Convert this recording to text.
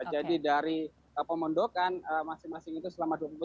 jadi dari pemondokan masing masing itu selama dua puluh empat jam